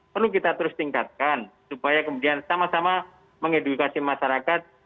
perlu kita terus tingkatkan supaya kemudian sama sama mengedukasi masyarakat